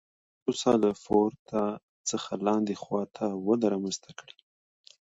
دا پروسه له پورته څخه لاندې خوا ته وده رامنځته کړي